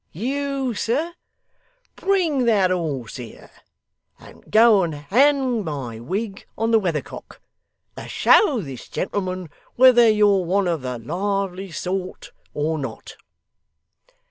You, sir! Bring that horse here, and go and hang my wig on the weathercock, to show this gentleman whether you're one of the lively sort or not.